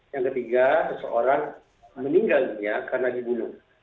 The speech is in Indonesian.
yang ketiga seseorang meninggal dunia karena dibunuh